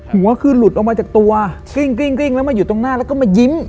หัวคือหลุดออกมาจากตัวกลิ้งแล้วมาอยู่ตรงหน้าแล้วก็มายิ้ม